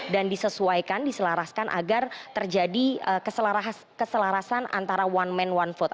dan disesuaikan diselaraskan agar terjadi keselarasan antara one man one vote